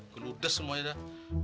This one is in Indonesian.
geludas semuanya dah